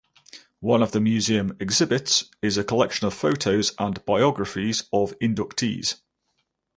One of the museum exhibits is a collection of photos and biographies of inductees.